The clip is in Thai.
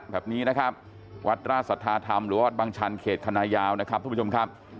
แบบนี้นะครับวัดราชสัทธาธรรมหรือวัดบางชันเขตคณะยาวนะครับทุกผู้ชมครับ